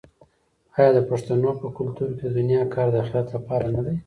آیا د پښتنو په کلتور کې د دنیا کار د اخرت لپاره نه دی؟